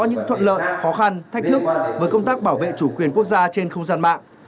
những thuận lợi khó khăn thách thức với công tác bảo vệ chủ quyền quốc gia trên không gian mạng